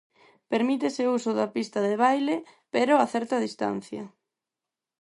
Permítese o uso da pista de baile, pero a certa distancia.